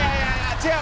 違う。